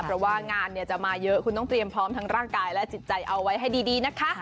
เพราะว่างานจะมาเยอะคุณต้องเตรียมพร้อมทั้งร่างกายและจิตใจเอาไว้ให้ดีนะคะ